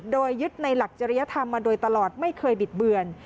โดยยึดในหลักจริยธรรมมาโดยตลอดไม่เคยบิดเบือน